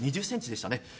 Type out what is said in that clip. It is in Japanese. ２０ｃｍでした。